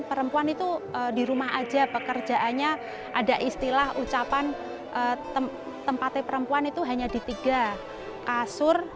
perempuan itu di rumah aja pekerjaannya ada istilah ucapan tempatnya perempuan itu hanya di tiga kasur